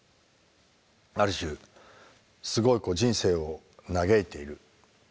ある種すごいこう人生を嘆いているっていう。